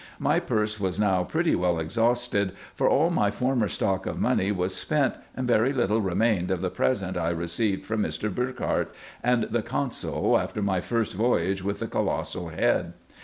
My purse was now pretty well exhausted ; for all my former stock of money was spent, and very little remained of the present I received from Mr. Burckhardt and the consul after my first voyage with the colossal head.